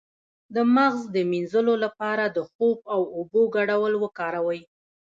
د مغز د مینځلو لپاره د خوب او اوبو ګډول وکاروئ